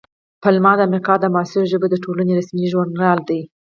پملا د امریکا د معاصرو ژبو د ټولنې رسمي ژورنال دی.